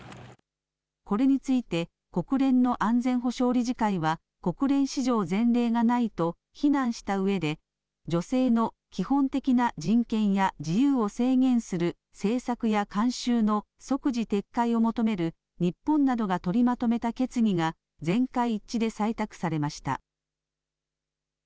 これについて国連の安全保障理事会は国連史上、前例がないと非難したうえで女性の基本的な人権や自由を制限する政策や慣習の即時撤回を求める日本などが取りまとめた決議が全会一致で採択されました。